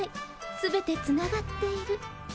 全てつながっている。